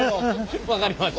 分かりました。